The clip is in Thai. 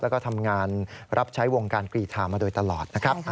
แล้วก็ทำงานรับใช้วงการกรีธามาโดยตลอดนะครับ